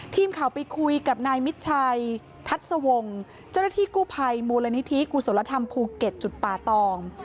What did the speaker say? ทีมข่าวไปคุยกับนายมิดชัยทัศวงศ์เจ้าหน้าที่กู้ภัยมูลนิธิกุศลธรรมภูเก็ตจุดป่าตอง